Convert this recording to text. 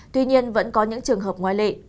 tuy nhiên vẫn có những trường hợp ngoại lệ